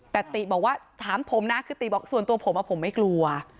แต่ติบอกว่าถามผมนะคือติบอกส่วนตัวผมผมไม่กลัว